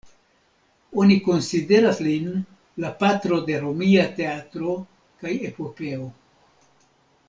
Oni konsideras lin la patro de romia teatro kaj epopeo.